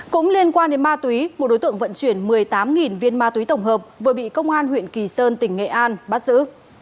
cũng liên quan đến ma túy một đối tượng vận chuyển một mươi tám viên ma túy tổng hợp vừa bị công an huyện kỳ sơn tỉnh nghệ an bắt giữ